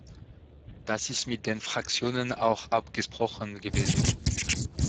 Das ist mit den Fraktionen auch abgesprochen gewesen.